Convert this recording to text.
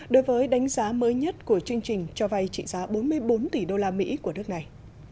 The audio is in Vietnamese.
đối với đánh giá mới nhất của chương trình cho vay trị giá bốn mươi bốn tỷ đô la mỹ của nước này